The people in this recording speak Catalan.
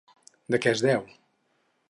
De què és déu?